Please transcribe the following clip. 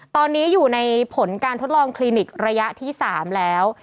ตอนนี้อยู่ในผลการทดลองคลินิกระยะที่๓แล้ว